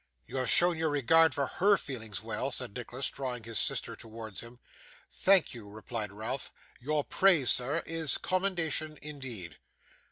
'You have shown your regard for HER feelings well,' said Nicholas, drawing his sister towards him. 'Thank you,' replied Ralph. 'Your praise, sir, is commendation, indeed.